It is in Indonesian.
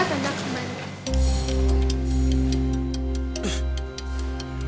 kan ada teman